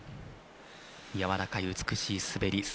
やわらかい美しい滑り。